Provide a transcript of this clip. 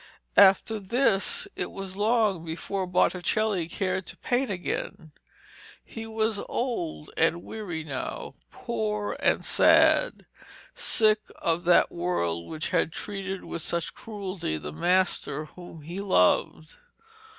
After this it was long before Botticelli cared to paint again. He was old and weary now, poor and sad, sick of that world which had treated with such cruelty the master whom he loved.